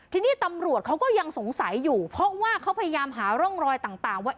ทีนี้ตำรวจเขาก็ยังสงสัยอยู่เพราะว่าเขาพยายามหาร่องรอยต่างว่า